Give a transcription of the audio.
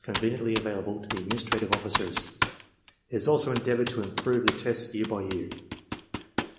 conveniently available to the administrative officers: it has also endeavored to improve the tests year by year.